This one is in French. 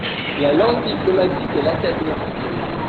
La langue diplomatique est l’akkadien.